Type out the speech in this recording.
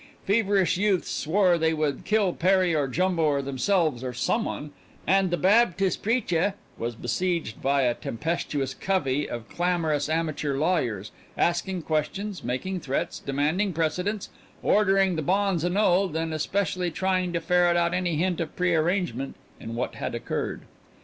Feverish youths swore they would kill Perry or Jumbo or themselves or some one, and the Baptis' preacheh was besieged by a tempestuous covey of clamorous amateur lawyers, asking questions, making threats, demanding precedents, ordering the bonds annulled, and especially trying to ferret out any hint of prearrangement in what had occurred.